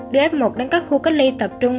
đưa f một đến các khu cách ly tập trung